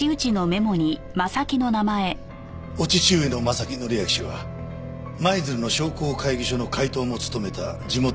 お父上の真崎則明氏は舞鶴の商工会議所の会頭も務めた地元の名士です。